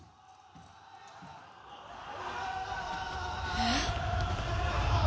・えっ？